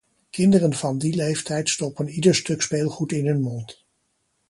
Kinderen van die leeftijd stoppen ieder stuk speelgoed in hun mond.